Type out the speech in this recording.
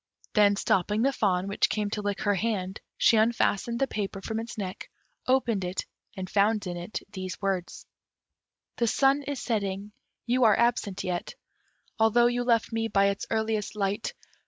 Then stopping the fawn, which came to lick her hand, she unfastened the paper from its neck, opened it, and found in it these words: The sun is setting, you are absent yet, Although you left me by its earliest light!